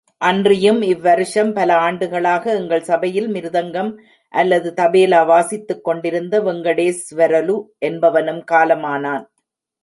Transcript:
அன்றியும் இவ்வருஷம், பல ஆண்டுகளாக எங்கள் சபையில் மிருதங்கம் அல்லது தபேலா வாசித்துக் கொண்டிருந்த வெங்கடேஸ்வரலு என்பவனும் காலமானான்.